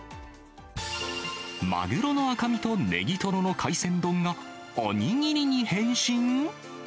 マグロの赤身とネギトロの海鮮丼が、お握りに変身？